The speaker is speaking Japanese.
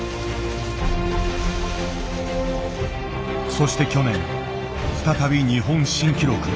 そして去年再び日本新記録。